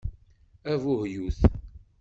Abuhyut!